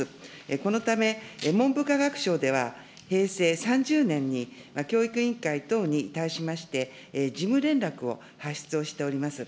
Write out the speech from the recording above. このため、文部科学省では平成３０年に教育委員会等に対しまして、事務連絡を発出をしております。